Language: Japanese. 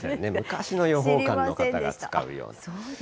昔の予報官の方が使うような。